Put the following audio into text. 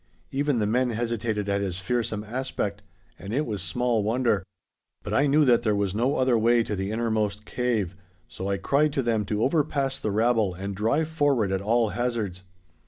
Even the men hesitated at his fearsome aspect. And it was small wonder. But I knew that there was no other way to the innermost cave, so I cried to them to overpass the rabble and drive forward at all hazards.